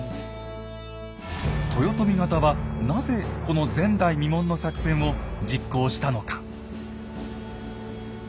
豊臣方はなぜこの前代未聞の作戦を実行したのか。